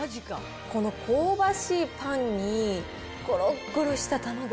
この香ばしいパンにごろごろした卵。